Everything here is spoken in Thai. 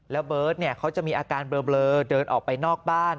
แล้วเบิร์ตเขาจะมีอาการเบลอเดินออกไปนอกบ้าน